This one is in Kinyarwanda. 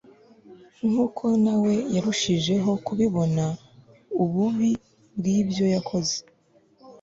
nk'uko nawe yarushijeho kubibona ububi bw'ibyo yakoze